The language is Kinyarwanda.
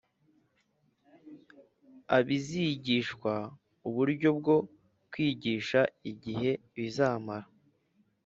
abizigishwa uburyo bwo kwigisha igihe bizamara